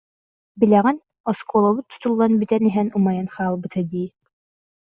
Билэҕин, оскуолабыт тутуллан бүтэн иһэн умайан хаалбыта дии